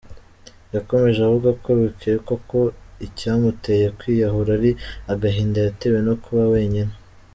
Yakomeje avuga ko bikekwa ko icyamuteye kwiyahura ari agahinda yatewe no kuba wenyine.